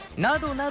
など